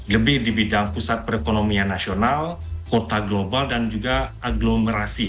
lebih di bidang pusat perekonomian nasional kota global dan juga aglomerasi